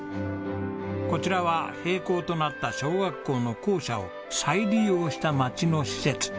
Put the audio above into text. こちらは閉校となった小学校の校舎を再利用した町の施設。